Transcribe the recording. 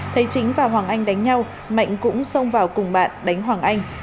thấy chính và hoàng anh đánh nhau mạnh cũng xông vào cùng bạn đánh hoàng anh